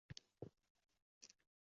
Nodir urug‘lari panjasida jam.